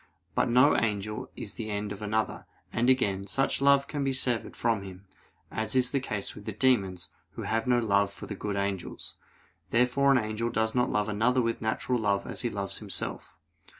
But no angel is the end of another; and again, such love can be severed from him, as is the case with the demons, who have no love for the good angels. Therefore an angel does not love another with natural love as he loves himself.